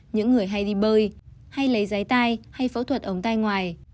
những người hay đi bơi hay lấy giấy tay hay phẫu thuật ống tay ngoài